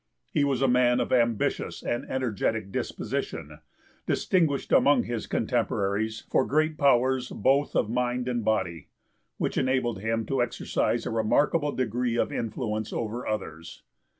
He was a man of ambitious and energetic disposition, distinguished among his contemporaries for great powers both of mind and body, which enabled him to exercise a remarkable degree of influence over others.